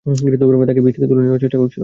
তাকে পিচ থেকে তুলে নেওয়ার চেষ্টা করছিল।